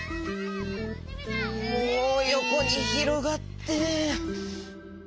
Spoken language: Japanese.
もうよこにひろがって。